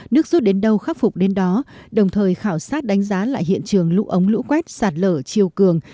nước rút đến đâu khắc phục đến đó đồng thời khảo sát đánh giá lại hiện trường lũ ống lũ quét sạt lở chiều cường